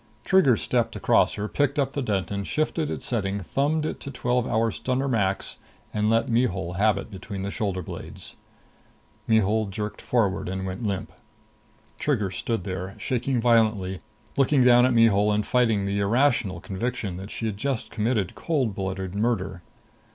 Trigger stepped across her, picked up the Denton, shifted its setting, thumbed it to twelve hour stunner max, and let Mihul have it between the shoulder blades. Mihul jerked forward and went limp. Trigger stood there, shaking violently, looking down at Mihul and fighting the irrational conviction that she had just committed cold blooded murder.